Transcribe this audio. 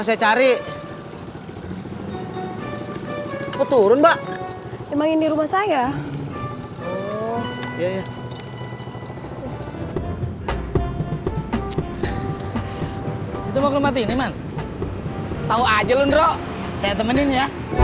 sampai jumpa di video selanjutnya